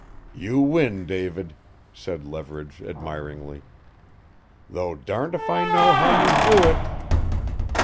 "You win, David," said Leverage admiringly. "Though darned if I know how you do it?"